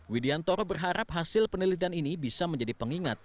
widiantoro berharap hasil penelitian ini bisa menjadi pengingat